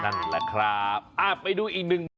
นั่นแหละครับไปดูอีกหนึ่ง